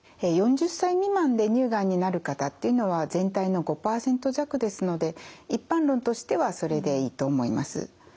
４０歳未満で乳がんになる方っていうのは全体の５％弱ですので一般論としてはそれでいいと思います。